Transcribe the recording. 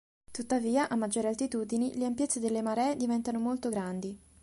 Tuttavia, a maggiori altitudini, le ampiezze delle maree diventano molto grandi.